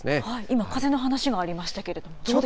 今、風の話がありましたけれども、どうですか。